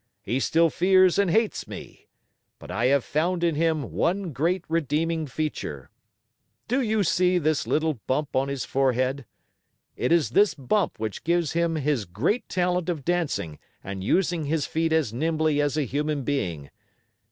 He still fears and hates me. But I have found in him one great redeeming feature. Do you see this little bump on his forehead? It is this bump which gives him his great talent of dancing and using his feet as nimbly as a human being.